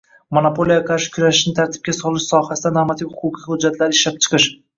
monopoliyaga qarshi kurashishni tartibga solish sohasida normativ-huquqiy hujjatlarni ishlab chiqish.